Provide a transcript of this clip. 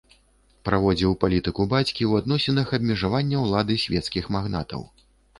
Праводзіў палітыку бацькі ў адносінах абмежавання ўлады свецкіх магнатаў.